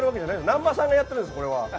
南波さんがやってるんです。